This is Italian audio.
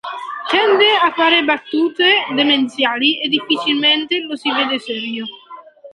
Tende a fare battute demenziali e difficilmente lo si vede serio.